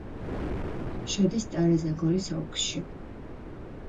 შედის სტარა-ზაგორის ოლქში.